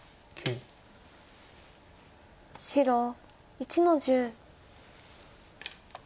白１の十。